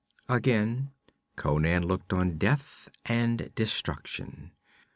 Again Conan looked on death and destruction.